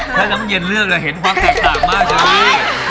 ถ้าน้ำเย็นเลือกแล้วเห็นความต่างมากเชอรี่